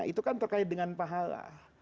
itu kan terkait dengan pahala